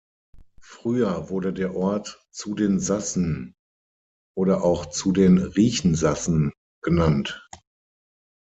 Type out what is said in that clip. Früher wurde der Ort "zu den Sassen" oder auch "zu den Richen Sassen" genannt.